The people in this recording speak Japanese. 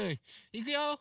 いくよ！